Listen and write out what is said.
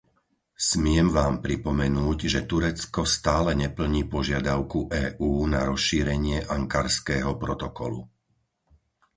Smiem vám pripomenúť, že Turecko stále neplní požiadavku EÚ na rozšírenie Ankarského protokolu.